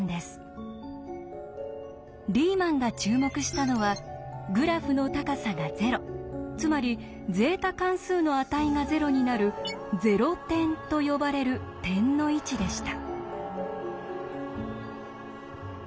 リーマンが注目したのはグラフの高さがゼロつまりゼータ関数の値がゼロになる「ゼロ点」と呼ばれる点の位置でした。